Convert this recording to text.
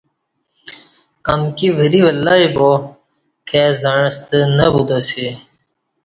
امکی وری ولئ با کائی زعݩستہ نہ بوتاسی